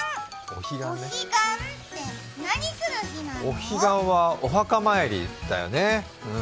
お彼岸はお墓参りだよね。